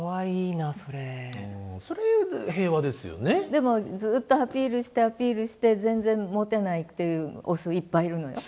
でもずっとアピールしてアピールして全然モテないっていうオスいっぱいいるのよ。